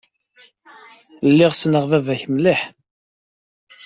Lliɣ ssneɣ baba-k mliḥ.